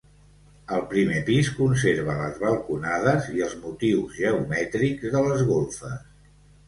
Al primer pis conserva les balconades i els motius geomètrics de les golfes.